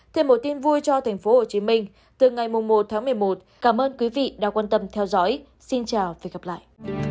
thêm một tin vui cho tp hcm từ ngày một tháng một mươi một cảm ơn quý vị đã quan tâm theo dõi xin chào và hẹn gặp lại